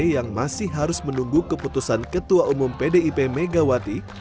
yang masih harus menunggu keputusan ketua umum pdip megawati